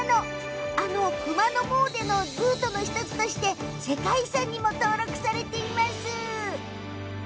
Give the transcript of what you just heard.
あの熊野詣でのルートの１つとして世界遺産にも登録されています。